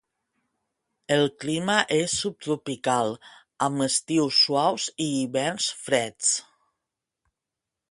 El clima és subtropical amb estius suaus i hiverns freds.